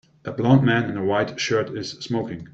A blond man in a white shirt is smoking.